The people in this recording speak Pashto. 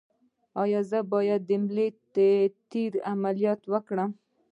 ایا زه باید د ملا د تیر عملیات وکړم؟